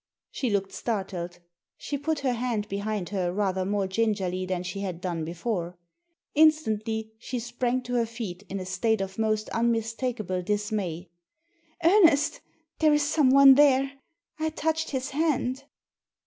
She looked startled. She put her hand behind her rather more gingerly than she had done before. Instantly she sprang to her feet in a state of most unmistakable dismay. "Ernest, there is someone there I I touched his hand."